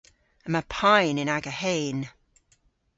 Yma payn yn aga heyn.